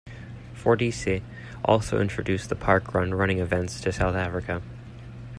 Fordyce also introduced the parkrun running events to South Africa.